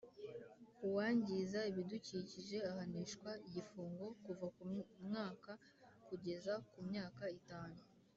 Uwangiza ibidukikije ahanishwa igifungo kuva ku mwaka kugeza ku myaka itanu